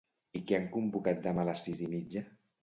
I què han convocat demà a les sis i mitja?